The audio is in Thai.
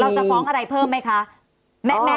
จะฟ้องอะไรเพิ่มไหมคะ